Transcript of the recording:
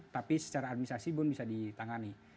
tapi secara administrasi pun bisa ditangani